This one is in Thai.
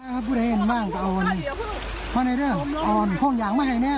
คุณพุทธเห็นบ้างว่าในเรื่องอ่อนพวกอย่างไม่ให้แน่